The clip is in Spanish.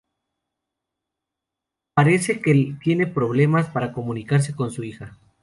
Parece que tiene problemas para comunicarse con su hija.